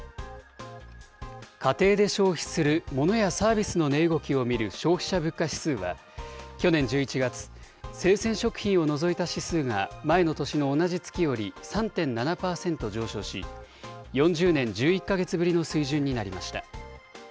家庭で消費するものやサービスの値動きを見る消費者物価指数は去年１１月、生鮮食品を除いた指数が前の年の同じ月より３．７％上昇し、４０年１１か月ぶりの水準になりました。